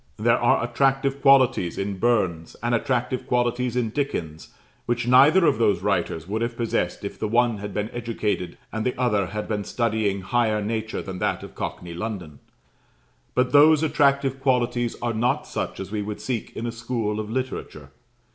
There are attractive qualities in Burns, and attractive qualities in Dickens, which neither of those writers would have possessed if the one had been educated, and the other had been studying higher nature than that of cockney London; but those attractive qualities are not such as we should seek in a school of literature.